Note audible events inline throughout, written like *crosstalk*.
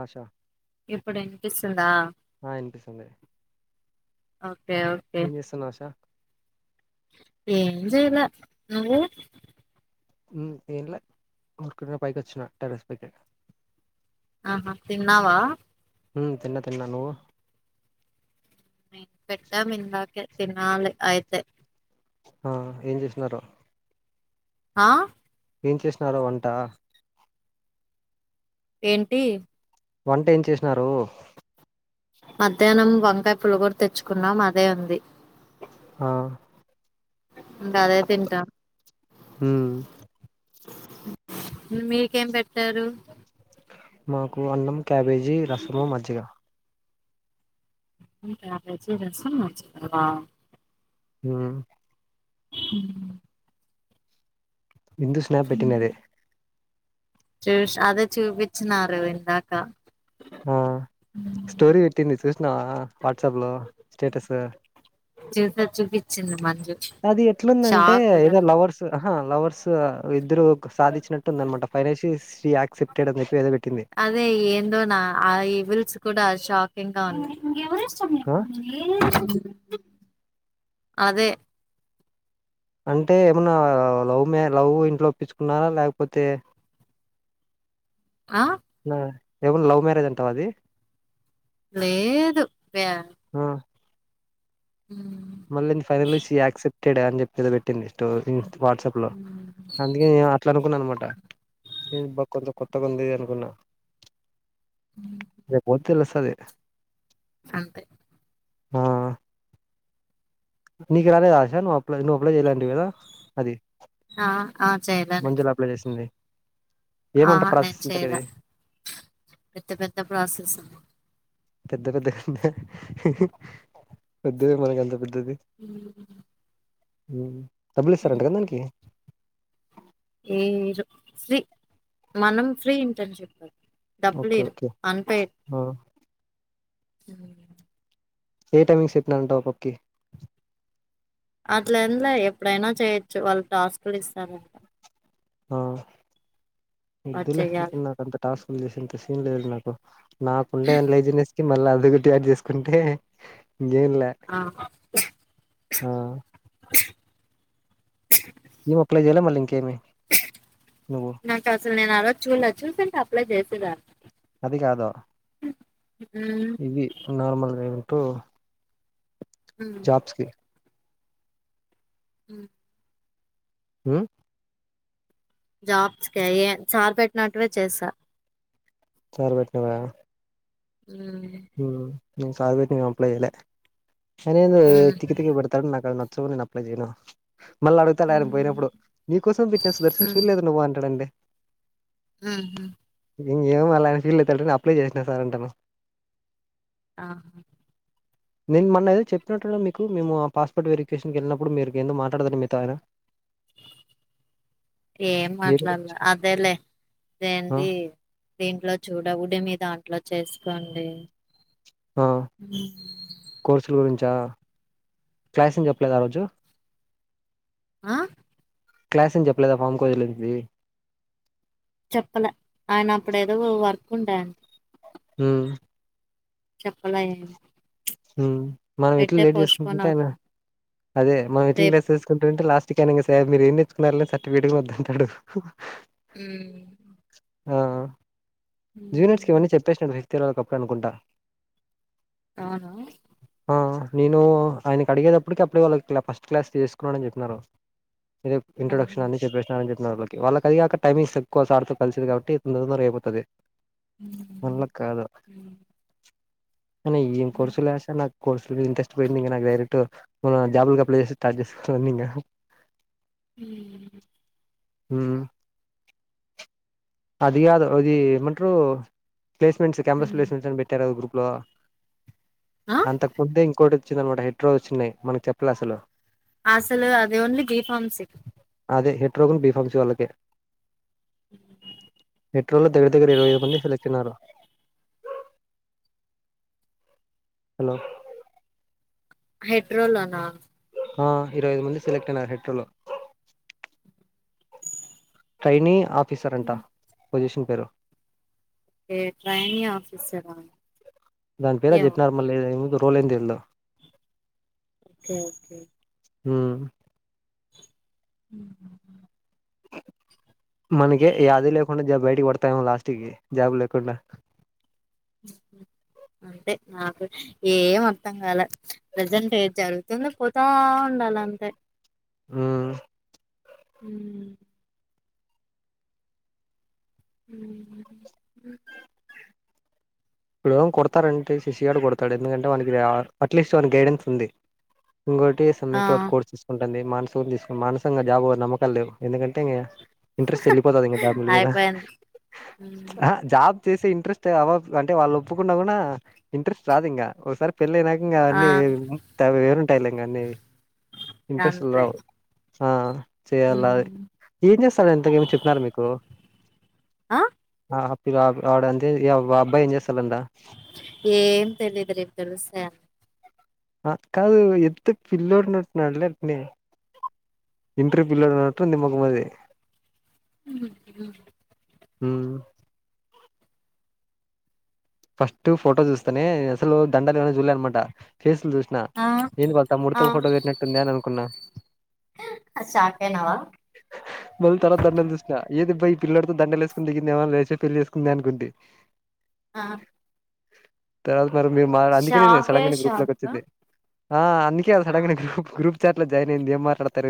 ఆశ. ఇప్పుడ్ ఇన్పిస్తుందా? ఆ వినిపిస్తుంది ఓకే ఓకే ఏం చేస్తున్నావ్ షా ఏం చేయలా నువు ఉమ్ ఎమ్లే ఉర్కానే పైకి వచ్చిన టెరస్ పైకి ఆహా తిన్నావా ఉమ్ తిన్న తిన్నా నువ్వు నేను పెట్టమ్ ఇందాకే తినాలి అయితే ఆ ఏం చేసిన్నారో ఆ ఏం చేసినారో వంట్టా ఏంటీ వంట ఏం చేసినారూ మధ్యానం వంకాయ పులగోర తెచ్చుకున్నాం అదే ఉంది ఆ ఇంకా అదే తింటాం ఉమ్ మీకేం పెట్టారు మాకు అన్నం క్యాబేజీ రసము మజ్జిగ అన్నం క్యాబేజీ రసము మజ్జిగా ఉమ్ ఉమ్ ఇందు స్నాప్ పెటినదే చూష్ అదే చూపించినారూ ఇందాక ఆ స్టోరీ వెట్టింది చూసినావా వాట్సాప్ లో స్టేటస్ చూస చూపించింది మన్ అది ఎట్లుందంటే ఏదో లవర్స్ ఆహా లవర్స్ ఇద్దరు సాధించినట్టుందనమాట ఫైనాషిస్ హి యాక్సెప్టెడ్ అని చెప్పి ఏదో పెట్టింది సుకూడా షాకింగ్ గా ఉంది ఆ అదే అంటే ఏమన్నా లవ్ మే లవ్వు ఇంట్లో ఒప్పించుకున్నారా లేకపోతే ఆ నా ఏమన్నా లవ్ మ్యారేజ్ అంటావా అది లేదు వ్యా ఆ మళ్ళీ ఫైనల్లి శి యాక్సెప్టెడ్ అని చెప్పి ఎదో పెట్టి పెట్టింది స్టోరీ వాట్సాప్ లో మ్మ్ అందుకే నే అట్లా అనుకున్నా అనమాట బా ఎందీబా కొత్త గుంది అనుకున్నా ఉమ్ తెలుసది అంతె ఆ నీకు రాలేదా ఆశా నువ్వు అప్లై నువ్వు అప్లై చేయ్యాలంటవి కదా అది ఆ ఆ మంజుల అప్లై చేసింది ఆ ఏమంట నేను ప్రాసెస్ ఇంతకి అది చెయలే పెద్ద పెద్ద ప్రాసెస్ పెద్ద పెద్ద గంటె హి హి వద్దులే మనక అంత పెద్దు ఉమ్ ఉమ్ డబ్బులు ఇస్తారంట కదా దానికి ఏ ఇవ్వరు ఫ్రీ మనం ఫ్రీ ఇంటర్న్షిప్ అది డబ్బులు ఓకే ఇవ్వరు ఓకే అన్పెయిడ్ ఆ ఉమ్ ఏ టైమింగ్ చెప్పినారంట ఆ పాపకి అట్లా ఎంలే ఎప్పుడైనా చేయొచ్చు వాళ్ళు టాస్క్ లు ఇస్తారంట ఆ అది వద్దులే చెయ్యాలి నాకు అంత టాస్క్లు చేసెంత సీన్ లేదు నాకు నాకు ఉండే లేజినెస్ కి మళ్ళీ అదొక్కడి ఆడ్ చేసుకుంటే ఇంకే ఎంలే ఆ ఆ ఏమి అప్లై చేయాలె మళ్ళీ ఇంకేమి నువ్వు నాకు అసలు నేను ఆ రోజ్ చూలె చూసింటే అప్లై చేసేదానీ అది కాదు మ్మ్ ఇది నార్మల్ ఉంటు మ్మ్ జాబ్స్ కీ ఊ హు జాబ్స్ క ఏ చార్ పెట్టినట్వే చేస్తా సార్ బట్నా వ అ సారు బేట్ అంప్లైచేయలే ఆయనేందో మ్మ్ తికి తికి బడతాడు నా కవి స నను అప్లై చేను మళ్ళీ అడుతాడు ఆయన పోయినప్పుడు మ్మ్ నీ కోసం పెట్టినాా సుదర్శన్ చూడలేదు నువ్వు అంటాడండి ఉహూ ఇంకేం అలాని ఫీల్ అవుతేే అప్లై చేసినా సార్ అంటాను ఆ నేను మొన్న ఏద చెప్పినట్టుడు మీకు మేము ఆ పాస్పోర్ట్ వెరిఫికేషన్కి వెళ్ళినప్పుడు మీరు ఎందు మాట్లాడాల మ మీగతో ఆయన ఏ దేని గురించి మాట్లాాలే అదేలే ఆ ఏంటి దీంట్లో చూడ ఉడి మీదాంట్లో చేసుకోండి ఆ కోర్సులు గురించి అ క్లాస్ ఎం చేప్పాలేదారోజు ఆ క్లాస్ ఏని చెప్పలేదా ఫామ్ కోజలింది చెప్పలే ఆయన అప్పుడ ఏదో వర్క్ ఉండాయండి హ చెప్పలే మనం ఇట్లా ఎట్టే లేట్ పోస్ట్ పోన్ చేసుకుంటుంటే ఆయన అవుతుంది అదే మనం ఇట్లా రేపు డ్రెస్ చేసుకుంటుంటే లాస్ట్ చికెన్ ఇ స మీరుర న తెచ్చుకున్నన్నారుని సర్టు వీడికు వద్ద అంటాడు అ జూనియర్స్కి ఇవన్నీ చెప్పేసినడు వ్యక్తిల ఒకప్పుడు అనుకుంటాను అవును నేను ఆయనకు అడిగేటప్పటికి అప్పటిక వాళ్ళులా ఫస్ట్ క్లాస్ చేసుకున్నాను అని చెప్పినారు ఇది ఆహా ఇంట్రడక్షన్ అని చెప్పేస్తార అ చెప్ప కి వాళ్ళకిదిగాక టైమింగ్స్ ఎక్కువ సార్తో కలిసిది కాబట్టి తొర తర అయిపోతుది ఉ అ ఏం కోర్సులు వస్తే నాకు కోర్సులు మిద ఇంట్రెస్ట్ పోయింది ఇంకా నాకు డైరెక్ట్ జాబ్ ల అప్లై చేే రాజస్ సన్నీంగ ఉ హ అది కాదు అది ఏమంటారు ప్లేస్మెంట్స్ క్యాంపస్ ఉమ్. ప్లేస్మెంట్స్ అని పెట్టారు గ్రూప్ లో ఆ అంతకు ముందే ఇంకోటి వచ్చింద అనమాట హెట్రో వచ్చినాయి మనకు చెప్పలే అసలు అసలు అదే ఓన్లీ గి ఫామ్స్క్ అదే హెట్రోగున్ బిఫంస్ వాళ్ళకే హెట్రో లో దగ ఇరవైఐదు మంది సెలెక్ట్ ఐనారు హలో హెట్రోలోనా ఆ ఇరవై ఐదు మంది సెలెక్ట్ అయినారు హెట్రోలో ట్రైైనే ఆఫీసర్ అంట పొజిషన్ పేరు. ఏ ట్రైని ఆఫసర్ ఏమొబ్బ రోలేం తెళ్ద ఓకే ఓకే హ్మ్ ఉహ్ హు హు మనకె యాది లేకుండా జాబ్ బయటికి పడతాయమో, లాస్ట్ కి జాబ్ లేకుండా. ఉహ్ హు అంటే నాకు ఏం అర్థంగాల ప్రజెంట్ ఏద్ జరుగుతుందో, పోతా ఉండాల అంతే ఆహ్ ఉమ్ ఉహ్మ్ ఉహ్ విడోమ్ కొడతారంటే సిసిగాడు కొడతాడు, ఎందుకంటే వానీకిరా, అట్లీస్ట్ వానీక్ గైడెన్స్ ఉంది. ఇంగోటి ఆ సంయుక్త ఒకటి కోర్స్ తీసుకుంటంది. మానసగున్ తీసుకు, మానసకంగా జాబు నమ్మకం లేవు, ఎందుకంటే ఇగ. ఇంట్రెస్ట్ ఏళ్లిపోతదెమో, జాబ్లు మీద, అయిపోయింది ఆ హా జాబ్ చేసే ఇంట్రెస్టె ఆవ అంటే వాళ్ళు ఒప్పుకున్న కూనా, ఇంట్రెస్ట్ రాదు ఇంగా. ఒకసారి పెళ్ళయినాక ఇంగా, ఆ అన్ని వేరుంటాయిలే. ఇంగ అన్ని ఇంట్రెస్ట్లు అంతే రావ్ ఆ చేయాలయి, ఏం చేస్తావే ఎంతకేమి చెపినారూ మీకు? ఆ ఆ హా పిల అప్ ఆడంతే, ఇగ వాళ్ళ అబ్బాయి ఏం చేస్ ఏం తెలిదు. రేప్ తెలుసాయ్ అన్ని ఆ కాదు ఎంత పిల్లుడినట్టున్నాడు లేనే ఇంట్ర్ పిల్లడున్నట్టుంది మ్మగుమది. ఉహ్మ్ హు హ్మ్ ఫస్ట్ ఫోటో చూస్తానే, అసలు దండాలు అనే చూలే అనమాట. ఫేసులు చూస్ స్నా. ఎంది వాళ్ల ఆ తమ్ముడితో ఫోటో పెట్నాట్టుందే. అని అనుకున్నా. ఆ షాక్ అయినావా మల్ తారత్ దండల్ చూస్న ఏందిబ్బా ఈ పిల్లోడితో దండలు వేసుకుని దిగిందేమో, లేసే పెళ్లి చేసుకుంది అనుకుంటి. ఆ తర్వాత మరి మీరు మాట్ అందుకేనేను షాకే సడన్గానే గ్రూప్ లోకి షాక్ వచ్చింది. ఆ ఆ అందుకే అల్ సడన్గా నే గ్రూప్ గ్రూప్ చార్ట్ లో జాయిన్ అయింది. ఏం మాట్లాడతార్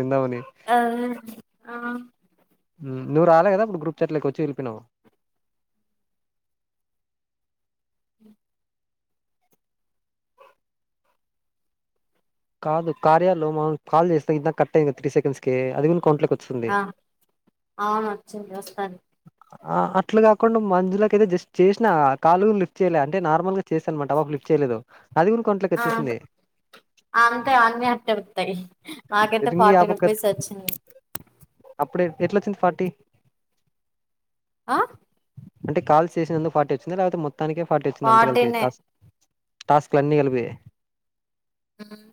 ఆదే ఆ ఉమ్ నువ్ రాలే గాదా, అప్పుడు గ్రూప్ చాట్లోకి వచ్చి ఏళ్లిపోయినావ్. అ కాదు! ! ! ! ! ! ! ! ! ! మనం కాల్ చేస్తే. ఇందక్ కట్ అయ్యింద్ త్రీ సెకండ్స్ కే అదిగున్ ఆ అవును వచ్చింది వస్తాను ఆ అట్లా గాకుండా మంజులకయితే జస్ట్ చేస్నా, ఆ కాలు లిఫ్ట్ చేయలే అంటే. నార్ల్గా చేస అనమాట ఆ పప్ లిఫ్ట్ చేయ్ లేదొ అదిగునా కొంట్లకోచ్చేసింది. ఇంకా అన్నీ అట్ట ఒత్తయి మాకైతే రింగి ఆ ఫార్టీ పక్క రూపీస్ వచ్చింది. అప్పుడే ఎట్లోచ్చింది ఫార్టీ ఆ అంటే కాల్స్ చేసినందుకు ఫార్టీ వచ్చిందా. లేపోతే మొత్తానికే ఫార్టీ వచ్చిందా, అంత కలిపి. ఫార్టీనే టాస్ టాస్క్లన్నీ కలిపి ఉమ్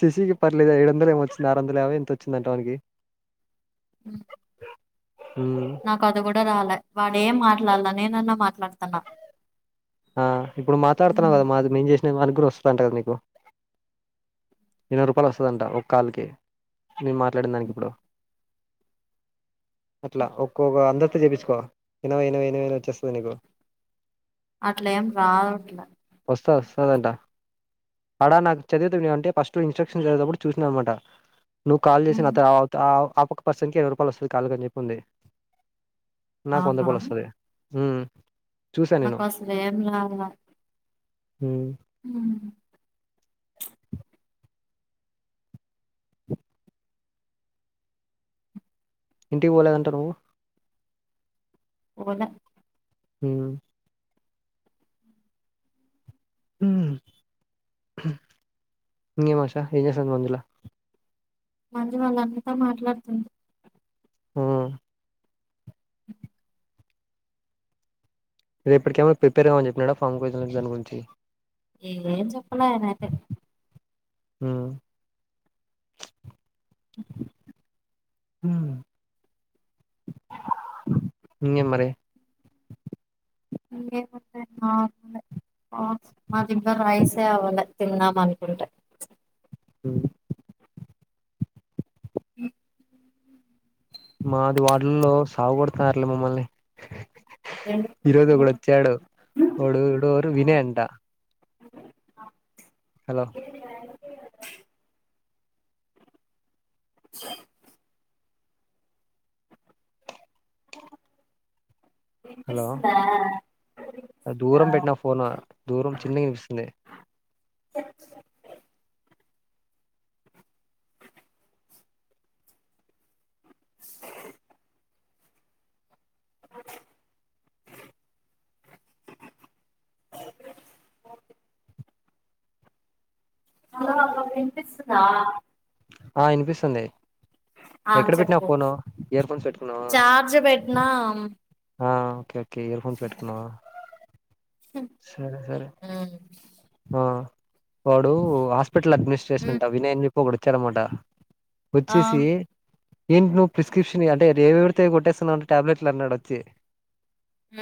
శశికి పర్లేదు. ఏడు వందలు ఏమో వచ్చింది. ఆరు వందలు యాబై ఎంతో వచ్చిందంట వనీకి. ఉహ్ ఉమ్ నాకు అది కూడా రాలే, వాడేం మాట్లాడ్ల నేనన్నా మాట్లాడుతన్నా. ఆ ఇప్పుడు మాట్లాడుతున్నావు కదా. మాది మేము చేసినాయ్ దానిక్ గుణ వస్తంటద్. నీకు ఇరవై రూపాలు వస్తుందంట ఒక కాళ్ళకి నేను మాట్లాడిన దానికి ఇప్పుడు అట్లా ఒక్కొక్క అందరితో చేపించుకో ఏనో ఏనో ఏనోనో వచ్చేస్తుంది నీకు అట్ల ఏం రావట్ల వస్తా వస్తాదంటా అడా నాకు చదివిత అంటే ఫస్ట్ ఇన్స్ట్రక్షన్స్ వెదిసేటప్పుడు చూసిన అనమాట నువ్వు కాల్ చేసిన ఉమ్, తవాత ఆ ఒక్క పర్సన్ కి ఎరనై రూపాయలు వస్తుంది కాల్ కాని చెప్పి ఉంది నాకు వంద అవునా పాలు వస్తది ఊ నాకు అసలు ఏం లాల ఊ ఊ ఇంటికి పోలేదంట నువ్వు పోలె హ ఏం మచ్చా ఏం జేస్తోంది మంజుల మంజుల వాళ్ళ అన్నతో మాట్లాడుతుంది ఊ రేపటికేమో ప్రిపేర్ కావమని చెినా ఫామ్ కో దాని గురించి ఏం చెప్పలే ఆయన అయితే అ ఊ ఇంగేం మరి ఇంగేముంది మామూలే మా దింట్ల రైసే అవలె తిందాం అనుకుంటే అ అ మాది వాడులలో సావ గొడుతున్నారులే మమ్మల్ని ఎందుకు ఈరోజు ఒకడు వచ్చాడు వాడుడురు వినేయ అంట హలో సే హలో వినిపిస్తుందా దూరం పెట్టినా ఫోను దూరం చిన్న వినిపిస్తుంది టెన్త్ సర్టిఫికెట్ స అద అబ అపిస్తుందా ఆ అనిపిస్తుంది ఆ ఎక్కడ పెట్టినా చెప్పు ఫను ఇయర్ ఫోన్స్ పెట్టుకున్నావా చార్జ్ పెట్టినా ఉమ్, ఆ ఓకే ఓకే ఇయర్ఫోన్స్ పెట్టుకున్నావా సరే సరే ఆ వాడు హాస్పిటల్ అడ్మినిస్ట్రేషన్ ఉమ్, అంటా వినయ చెప్పి ఒకడు వచ్చారన్నమాట ఆ వచ్చేసి ఏంటి నువ్వు ప్రిస్క్రిప్షన్ అంటే ఏమి ఎవిడితే కొట్టేస్తుాన్నా అంట టాబ్లెట్లు అన్నాడు వచ్చి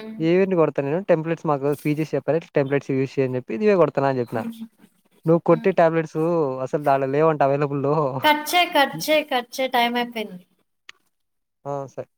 ఉమ్. ఏవీ ఎందుకు కొడతాను నేను టెంప్లేట్స్ మాకు పీజీ చెప్పను టెంప్లేట్స్ యూస్ చేయ్యని చెప్పి ఇదివే కొడతాను అని చెప్పిన *unintelligible* నువ్వు హ్మ్. కొట్టి టాబ్లెట్సు అసలు దాలో లేవంట అవైలబుల్లో పెన్ను ఆ సార్